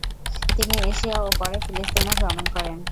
তিনি এশিয়া ও পরে ফিলিস্তিনে ভ্রমণ করেন।